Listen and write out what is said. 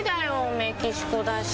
メキシコだし。